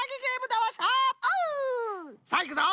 オ！さあいくぞ。